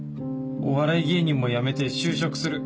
お笑い芸人もやめて就職する。